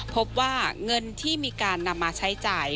พบว่าเงินที่มีการนำมาใช้จ่าย